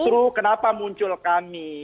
justru kenapa muncul kami